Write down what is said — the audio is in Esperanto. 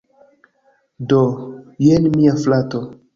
Do, jen mia frato